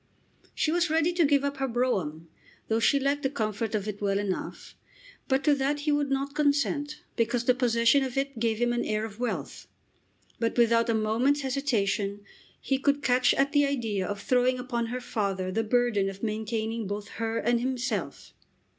She was ready to give up her brougham, though she liked the comfort of it well enough; but to that he would not consent because the possession of it gave him an air of wealth; but without a moment's hesitation he could catch at the idea of throwing upon her father the burden of maintaining both her and himself!